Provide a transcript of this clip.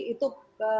itu harus diperhatikan